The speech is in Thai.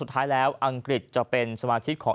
ท้ายแล้วอังกฤษจะเป็นสมาชิกของ